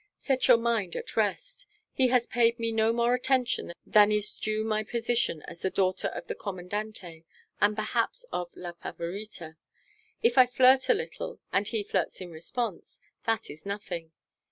"Set your mind at rest. He has paid me no more attention than is due my position as the daughter of the Commandante, and perhaps of La Favorita. If I flirt a little and he flirts in response, that is nothing.